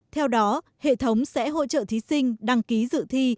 theo đó hệ thống sẽ hỗ trợ thí sinh đăng ký dự thi